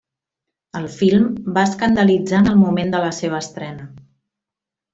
El film va escandalitzar en el moment de la seva estrena.